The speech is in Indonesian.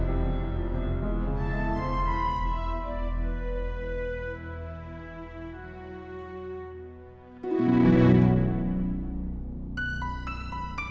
aku tahu mau ber shadow tonemin itu